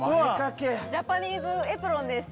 ジャパニーズエプロンです。